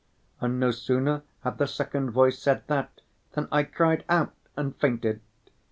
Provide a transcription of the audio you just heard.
And no sooner had the second voice said that than I cried out, and fainted.